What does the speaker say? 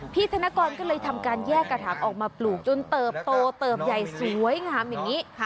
ธนกรก็เลยทำการแยกกระถางออกมาปลูกจนเติบโตเติบใหญ่สวยงามอย่างนี้